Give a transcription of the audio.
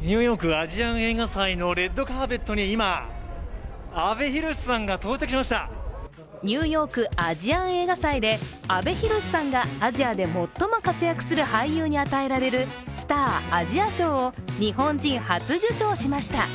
ニューヨーク・アジアン映画祭のレッドカーペットにニューヨーク・アジアン映画祭で阿部寛さんがアジアで最も活躍する俳優に与えられるスター・アジア賞を日本人初受賞しました。